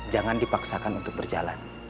jangan dipaksakan untuk berjalan